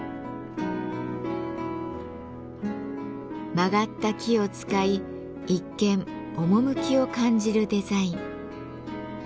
曲がった木を使い一見趣を感じるデザイン。